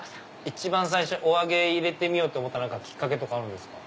一番最初お揚げ入れてみようと思ったきっかけあるんですか？